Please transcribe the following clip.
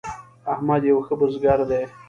احمد یو ښه بزګر دی.